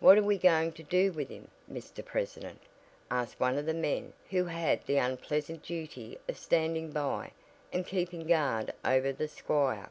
"What are we going to do with him, Mr. President?" asked one of the men who had the unpleasant duty of standing by and keeping guard over the squire.